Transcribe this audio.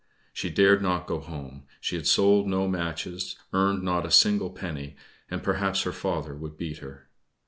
She dared not go home, she had sold no matches, earned not a single penny, and perhaps her father would beat her.